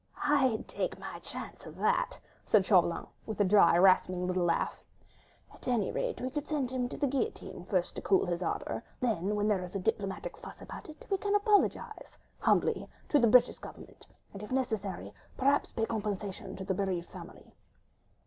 "I'd take my chance of that," said Chauvelin, with a dry, rasping little laugh. "At any rate we could send him to the guillotine first to cool his ardour, then, when there is a diplomatic fuss about it, we can apologise—humbly—to the British Government, and, if necessary, pay compensation to the bereaved family."